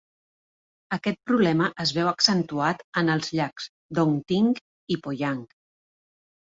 Aquest problema es veu accentuat en els llacs Dongting i Poyang.